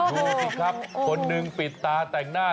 ดูสิครับคนหนึ่งปิดตาแต่งหน้า